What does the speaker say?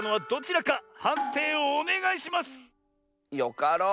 よかろう！